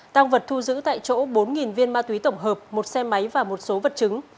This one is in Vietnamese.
tăng vật thu giữ tại chỗ bốn viên ma túy tổng hợp một xe máy và một số vật chứng